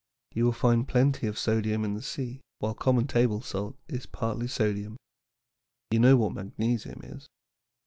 You will find plenty of sodium in the sea, while common table salt is partly sodium. You know what magnesium is.